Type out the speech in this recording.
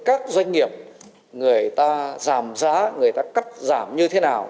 các doanh nghiệp người ta giảm giá người ta cắt giảm như thế nào